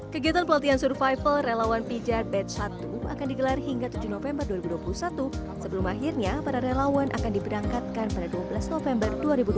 kegiatan pelatihan survival relawan pijar bed satu akan digelar hingga tujuh november dua ribu dua puluh satu sebelum akhirnya para relawan akan diberangkatkan pada dua belas november dua ribu dua puluh